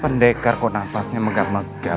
pendekar kok nafasnya megat megat